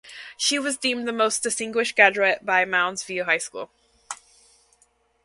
She was deemed the Most Distinguished Graduate by Mounds View High School.